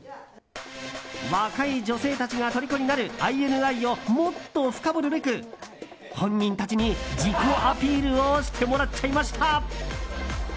若い女性たちがとりこになるＩＮＩをもっと深掘るべく本人たちに自己アピールをしてもらっちゃいました。